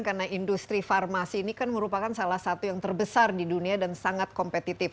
karena industri farmasi ini kan merupakan salah satu yang terbesar di dunia dan sangat kompetitif